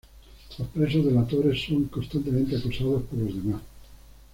Los presos delatores son constantemente acosados por los demás.